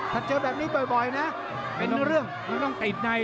ถ้าเจอแบบนี้บ่อยนะเป็นเรื่องมันต้องติดใน